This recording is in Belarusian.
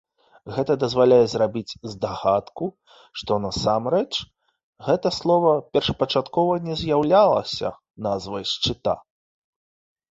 Гэта дазваляе зрабіць здагадку, што насамрэч гэта слова першапачаткова не з'яўлялася назвай шчыта.